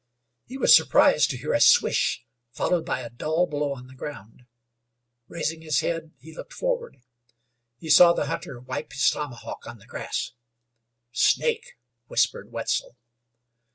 He was surprised to hear a swish, followed by a dull blow on the ground. Raising his head, he looked forward. He saw the hunter wipe his tomahawk on the grass. "Snake," whispered Wetzel.